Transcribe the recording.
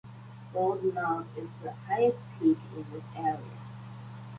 Bald Knob is the highest peak in the area.